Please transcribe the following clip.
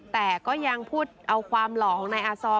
แต่ก็ยังพูดเอาความหล่อของนายอาซอม